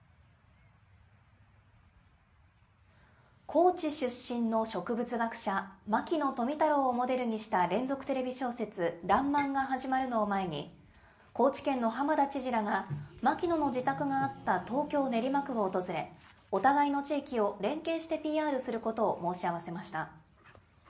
高知出身の植物学者、牧野富太郎をモデルにした連続テレビ小説、らんまんが始まるのを前に、高知県の浜田知事らが、牧野の自宅があった東京・練馬区を訪れ、お互いの地域を連携してＰＲすることを申し合わせました。